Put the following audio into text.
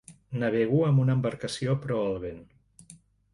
Navego amb una embarcació proa al vent.